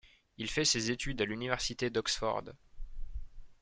Il fait ses études à l'Université d'Oxford.